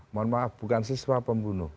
mohon maaf bukan siswa pembunuh